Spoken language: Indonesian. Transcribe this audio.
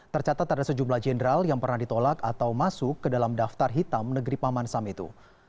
tercatat ada sejumlah jenderal yang pernah ditolak atau masuk ke dalam daftar hitam negeri paman sam itu